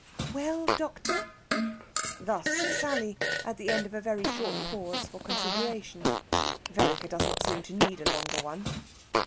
"Well, doctor?" Thus Sally, at the end of a very short pause for consideration. Vereker does not seem to need a longer one.